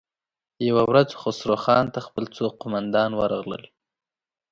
يوه ورځ خسرو خان ته خپل څو قوماندان ورغلل.